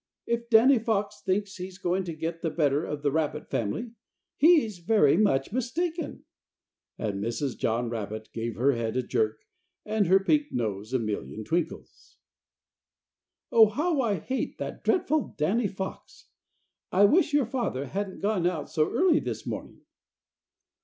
If Danny Fox thinks he's going to get the better of the rabbit family he's very much mistaken," and Mrs. John Rabbit gave her head a jerk and her pink nose a million twinkles. "Oh, how I hate that dreadful Danny Fox! I wish your father hadn't gone out so early this morning."